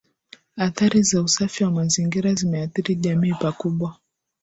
Athari za usafi wa mazingira zimeathiri jamii pakubwa